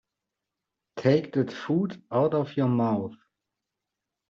Take that food out of your mouth.